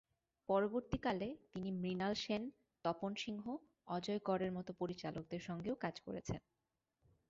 পরবর্তীকালে তিনি মৃণাল সেন, তপন সিংহ, অজয় করের মত পরিচালকদের সঙ্গেও কাজ করেছেন।